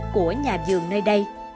của nhà dường nơi đây